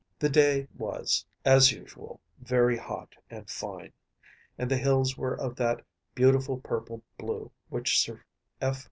(93) The day was, as usual, very hot and fine, and the hills were of that beautiful purple blue which Sir F.